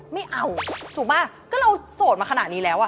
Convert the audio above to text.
ไม่เอาสูงมากก็เราโสดมาขนาดนี้แล้ว